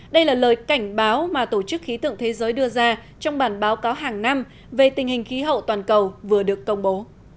đây là lời cảnh báo mà tổ chức khí tượng thế giới đưa ra trong bản báo cáo hàng năm về tình hình khí hậu toàn cầu vừa được công bố